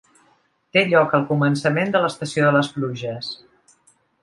Té lloc al començament de l'estació de les pluges.